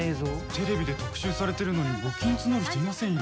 テレビで特集されてるのに募金募る人いませんよ